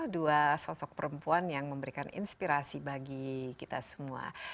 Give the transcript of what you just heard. dua sosok perempuan yang memberikan inspirasi bagi kita semua